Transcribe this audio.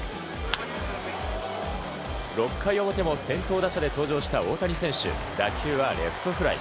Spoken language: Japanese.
６回表も先頭打者で登場した大谷選手、打球はレフトフライ。